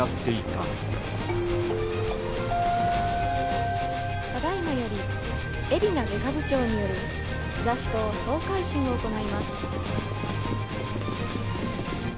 「ただ今より海老名外科部長による東棟総回診を行います」